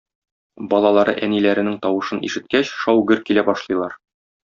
Балалары әниләренең тавышын ишеткәч, шау-гөр килә башлыйлар.